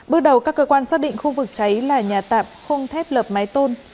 bước đầu các cơ quan xác định khu vực cháy là nhà tạm không thép lập máy tôn